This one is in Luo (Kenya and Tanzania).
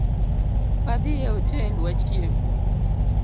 Wadhii e hotel wachiem